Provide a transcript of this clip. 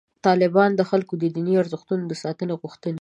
طالبان د خلکو د دیني ارزښتونو د ساتنې غوښتونکي دي.